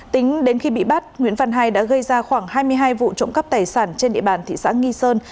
tính đến khi bị bắt nguyễn văn hai đã gây ra khoảng hai mươi hai vụ trộm cắp tài sản trên địa bàn thị xã nghi sơn